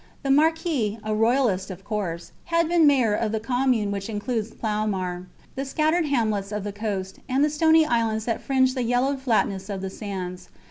The marquise, a royalist of course, had been mayor of the commune which includes Ploumar, the scattered hamlets of the coast, and the stony islands that fringe the yellow flatness of the sands.